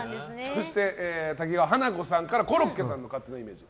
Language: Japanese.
そして、多岐川華子さんからコロッケさんの勝手なイメージ。